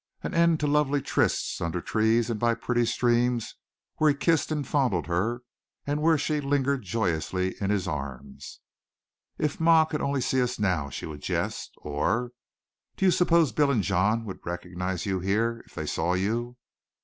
An end to lovely trysts under trees and by pretty streams where he kissed and fondled her and where she lingered joyously in his arms! "If ma could only see us now," she would jest; or, "Do you suppose Bill and John would recognize you here if they saw you?"